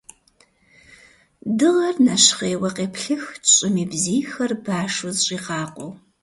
Дыгъэр нэщхъейуэ къеплъыхт щӀым и бзийхэр, башу зыщӀигъакъуэу.